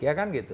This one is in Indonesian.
ya kan gitu